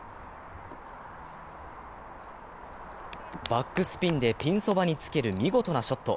バックスピンでピンそばにつける見事なショット。